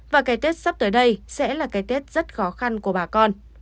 và cái tết sắp tới đây sẽ là cái tết rất khó khăn của bà con